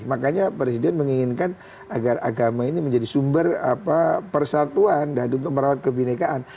makanya presiden menginginkan agar agama ini menjadi sumber persatuan untuk merawat kebinekaan